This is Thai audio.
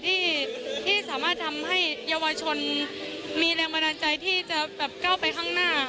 ที่สามารถทำให้เยาวชนมีลักษณ์มนาจใจที่จะเข้าไปข้างหน้า